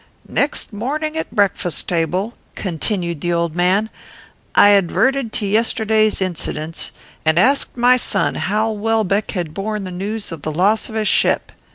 "'Next morning at the breakfast table,' continued the old man, 'I adverted to yesterday's incidents, and asked my son how Welbeck had borne the news of the loss of his ship.